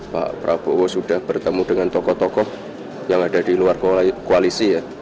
pak prabowo sudah bertemu dengan tokoh tokoh yang ada di luar koalisi ya